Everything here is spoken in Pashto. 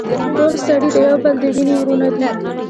ټول سړي د يو بل د وينې وروڼه دي.